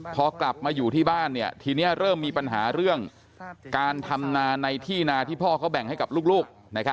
พอกลับมาอยู่ที่บ้านทีนี้เริ่มมีปัญหาเรื่องการทำนาในที่นาที่พ่อเขาแบ่งให้กับลูก